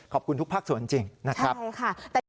ขอบคุณทุกภาคสวรรค์จริงนะครับใช่ค่ะ